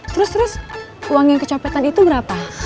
terus terus uang yang kecopetan itu berapa